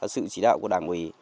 sự chỉ đạo của đảng quỷ